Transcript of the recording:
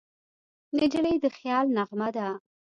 نجلۍ د خیال نغمه ده.